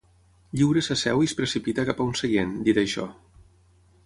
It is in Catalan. Lliure s'asseu i es precipita cap a un seient, dit això.